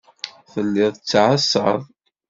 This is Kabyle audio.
Telliḍ tettɛassaḍ.